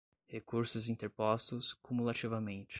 recursos interpostos, cumulativamente.